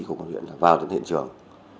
công an huyện vào đến hiện trường